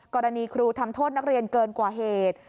กรณีครูทำโทษนักเรียนเกินกว่าเหตุ